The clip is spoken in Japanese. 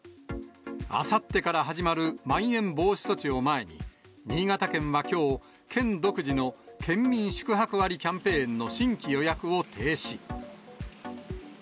あさってから始まるまん延防止措置を前に、新潟県はきょう、県独自の県民宿泊割キャンペーンの新規予約を停止。